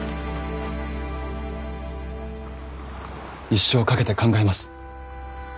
一生かけて考えます。